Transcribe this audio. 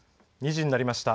２時になりました。